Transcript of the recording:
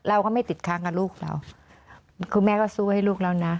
เราก็ไม่ติดค้างกับลูกเราคุณแม่ก็สู้ให้ลูกเรานะ